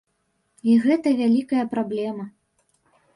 І гэта вялікая праблема.